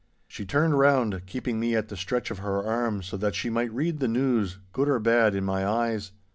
She turned round, keeping me at the stretch of her arm so that she might read the news, good or bad, in my eyes.